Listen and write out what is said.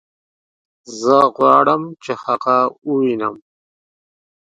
زه غواړم چې هغه ووينم